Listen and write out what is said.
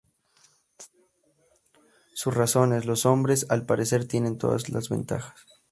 Sus razones; los hombres, al parecer, tienen todas las ventajas.